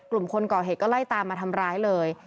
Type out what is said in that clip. คนก่อเหตุก็ไล่ตามมาทำร้ายเลย